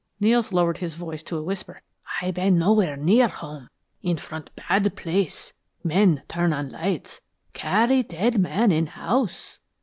Nels lowered his voice to a whisper. "Aye bane nowhere near home in front bad place. Men turn on lights CARRY DEAD MAN IN HOUSE!"